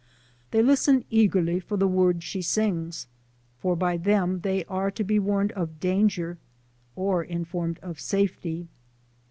They listen eagerly for the words she sings, for by them they are to be warned of danger, or informed of safety.